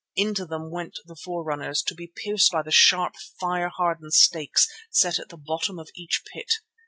Into them went the forerunners, to be pierced by the sharp, fire hardened stakes set at the bottom of each pit.